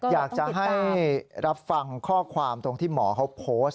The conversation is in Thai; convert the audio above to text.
อยากจะให้รับฟังข้อความตรงที่หมอเขาโพสต์